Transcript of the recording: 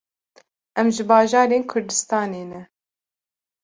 Em ji bajarên Kurdistanê ne.